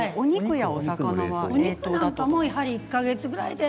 お肉なんかもやはり１か月ぐらいで。